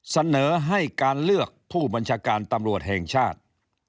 เสนอให้การเลือกผู้บัญชาการตำรวจแห่งชาติ